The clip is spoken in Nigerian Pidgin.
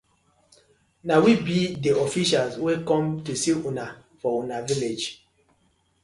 Na we bi di officials wey com to see una for una village.